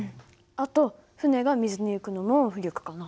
あと船が水に浮くのも浮力かな。